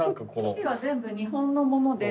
生地は全部日本のもので。